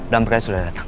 dam pres sudah datang